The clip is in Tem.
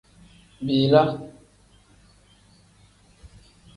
Bila.